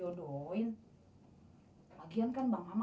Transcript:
iya dah yang penting komisinya raya